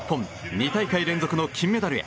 ２大会連続の金メダルへ。